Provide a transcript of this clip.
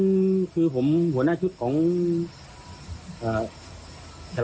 และก็คือว่าถึงแม้วันนี้จะพบรอยเท้าเสียแป้งจริงไหม